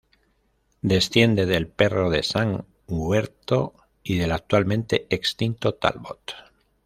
Desciende del perro de San Huberto y del actualmente extinto talbot.